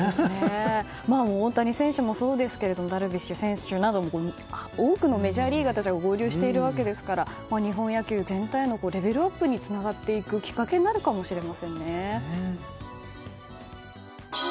大谷選手もそうですけどダルビッシュ選手など多くのメジャーリーガーたちが合流しているわけですから日本野球全体のレベルアップにつながっていくきっかけになるかもしれませんね。